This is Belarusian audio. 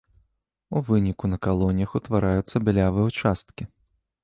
У выніку на калоніях утвараюцца бялявыя ўчасткі.